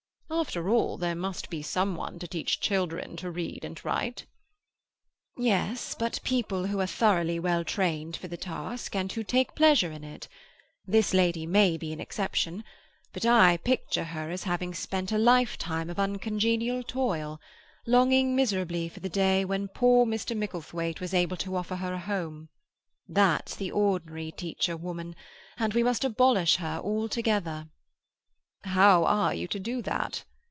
"After all, there must be some one to teach children to read and write." "Yes; but people who are thoroughly well trained for the task, and who take a pleasure in it. This lady may be an exception; but I picture her as having spent a lifetime of uncongenial toil, longing miserably for the day when poor Mr. Micklethwaite was able to offer her a home. That's the ordinary teacher woman, and we must abolish her altogether." "How are you to do that?"